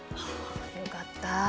よかった！